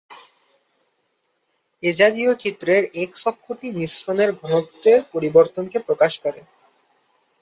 এ জাতীয় চিত্রের এক্স-অক্ষটি মিশ্রণের ঘনত্বের পরিবর্তনকে প্রকাশ করে।